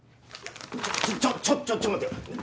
いやちょっちょっちょっと待ってよ！